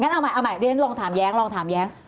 เอาใหม่เอาใหม่เรียนลองถามแย้งลองถามแย้ง